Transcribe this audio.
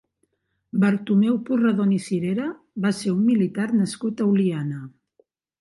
Bartomeu Porredon i Cirera va ser un militar nascut a Oliana.